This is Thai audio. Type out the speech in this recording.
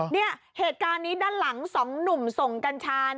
เนี่ยเหตุการณ์นี้ด้านหลังสองหนุ่มส่งกัญชา